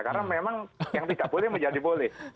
karena memang yang tidak boleh menjadi boleh